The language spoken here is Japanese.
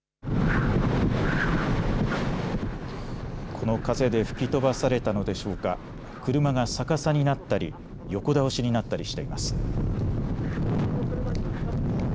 この風で吹き飛ばされたのでしょうか、車が逆さになったり横倒しになったりしています。